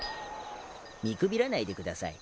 見くびらないでください。